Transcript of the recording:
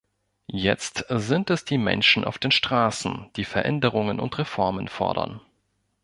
Jetzt sind es die Menschen auf den Straßen, die Veränderungen und Reformen fordern.